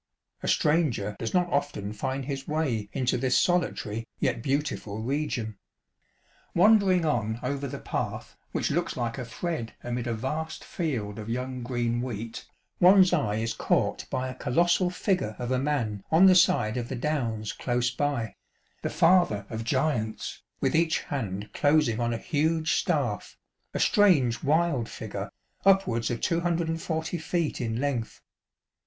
A stranger does not often find his way into this solitary, yet beautiful, region. Wandering on over the path which looks like a thread amid a vast field of young green wheat, one's eye is caught by a colossal figure of a man on the side of the Downs close by ŌĆö the Father of Giants, with each hand closing on a huge staff, a strange wild figure, upwards of 240 feet in length.